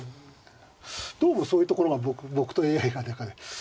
どうもそういうところが僕とＡＩが何かね。